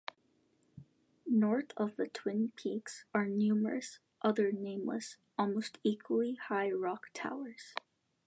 North of the twin peaks are numerous other nameless, almost equally high rock towers.